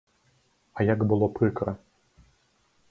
А як было прыкра!